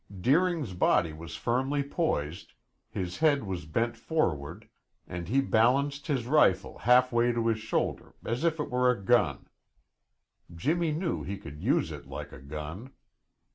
Deering's body was firmly poised, his head was bent forward and he balanced his rifle half way to his shoulder as if it were a gun. Jimmy knew he could use it like a gun.